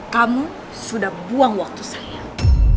kamu sudah buang waktu saya